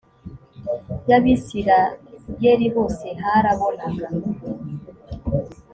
y abisirayeli bose harabonaga